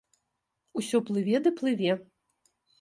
Усё плыве ды плыве.